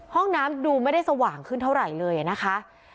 ห้องน้ำดูไม่ได้สว่างขึ้นเท่าไหร่เลยนะคะ